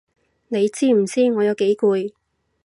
你知唔知我有幾攰？